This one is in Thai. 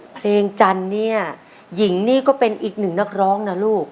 เพลงจันทร์เนี่ยหญิงนี่ก็เป็นอีกหนึ่งนักร้องนะลูก